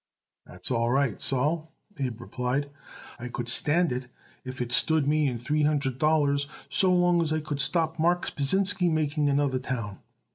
"That's all right, Sol," Abe replied. "I could stand it if it stood me in three hundred dollars, so long as I could stop Marks Pasinsky making another town."